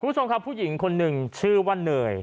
คุณผู้ชมครับผู้หญิงคนหนึ่งชื่อว่าเนย